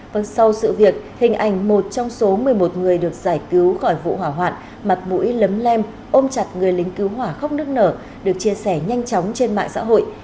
vâng sau sự việc hình ảnh một trong số một mươi một người được giải cứu khỏi vụ hỏa hoạn mặt mũi lấm lem ôm chặt người lính cứu hỏa khóc nước nở được chia sẻ nhanh chóng trên mạng xã hội